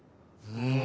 うん。